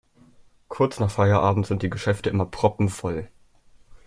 Kurz nach Feierabend sind die Geschäfte immer proppenvoll.